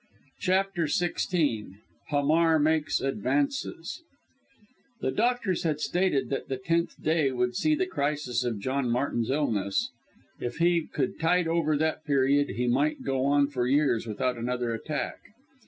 ] CHAPTER XVI HAMAR MAKES ADVANCES The doctors had stated that the tenth day would see the crisis of John Martin's illness; if he could tide over that period, he might go on for years without another attack.